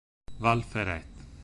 Val Ferret